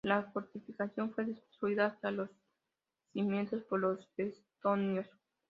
La fortificación fue destruida hasta los cimientos por los estonios.